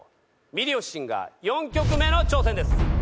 『ミリオンシンガー』４曲目の挑戦です。